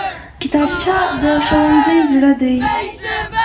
کتابچه د ښوونځي زړه دی